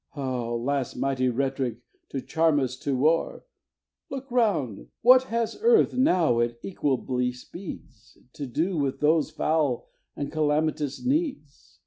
"O last mighty rhet'ric to charm us to war! Look round what has earth, now it equably speeds, To do with these foul and calamitous needs?